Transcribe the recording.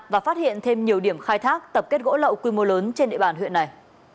và phát hiện thêm nhiều điểm khai thác tập kết gỗ lậu quy mô lớn trên địa bàn huyện này